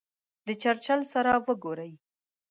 د چرچل سره وګوري.